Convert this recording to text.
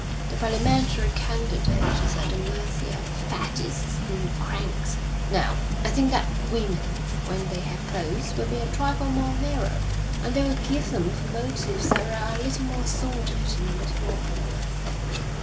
The parliamentary candidate is at the mercy of faddists and cranks. Now, I think that women, when they have votes, will be a trifle more narrow, and they will give them for motives that are a little more sordid and a little more unworthy.